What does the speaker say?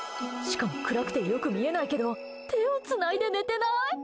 しかも暗くてよく見えないけど手をつないで寝てない？